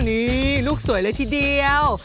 นี่ลูกสวยเลยทีเดียว